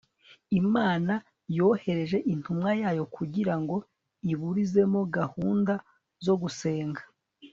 Imana yohereje intumwa yayo kugira ngo iburizemo gahunda zo gusenga